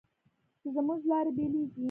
چې زموږ لارې بېلېږي